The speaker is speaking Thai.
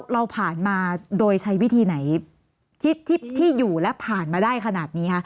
เราผ่านมาโดยใช้วิธีไหนที่อยู่และผ่านมาได้ขนาดนี้คะ